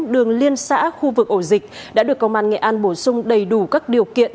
đường liên xã khu vực ổ dịch đã được công an nghệ an bổ sung đầy đủ các điều kiện